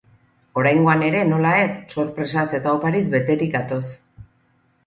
Oraingoan ere, nola ez, sorpresaz eta opariz beterik gatoz.